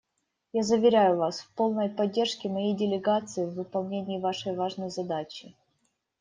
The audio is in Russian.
Я заверяю Вас в полной поддержке моей делегации в выполнении Вашей важной задачи.